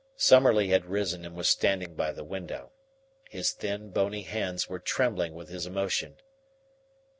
Summerlee had risen and was standing by the window. His thin, bony hands were trembling with his emotion.